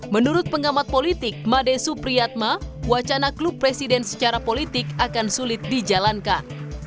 menurut pengamat politik made supriyatma wacana klub presiden secara politik akan sulit dijalankan